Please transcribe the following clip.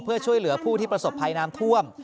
เพื่อช่วยเหลือผู้ที่ประสบภัยน้ำท่วม